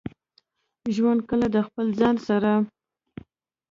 ژوند کله د خپل ځان سره.